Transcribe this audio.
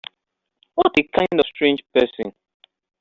What a strange kind of person!